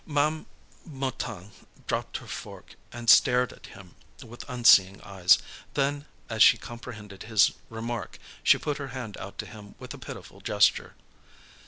Ma'am Mouton dropped her fork and stared at him with unseeing eyes; then, as she comprehended his remark, she put her hand out to him with a pitiful gesture.